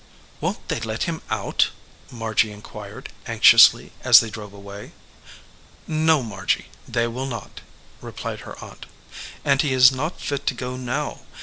"Won t they let him out ?" Margy inquired, anx iously, as they drove away. "No, Margy, they will not," replied her aunt. "And he is not fit to go now.